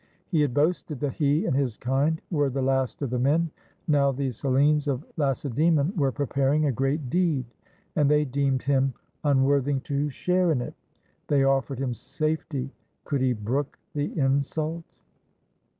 He had boasted that he and his kind were the last of the men; now these Hellenes of Lacedaemon were preparing a great deed, and they deemed him unworthy to share in it. They offered him safety. Could he brook the insult?